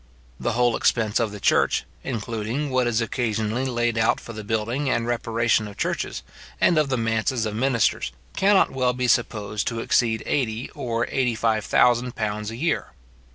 The whole expense of the church, including what is occasionally laid out for the building and reparation of churches, and of the manses of ministers, cannot well be supposed to exceed eighty or eighty five thousand pounds a year.